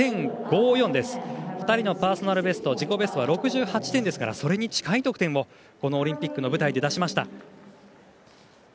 ２人のパーソナルベストは６８点ですからそれに近い得点をオリンピックの舞台で出しました。